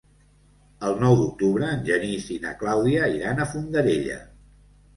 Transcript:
El nou d'octubre en Genís i na Clàudia iran a Fondarella.